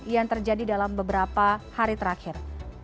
yang terjadi dalam beberapa hari terakhir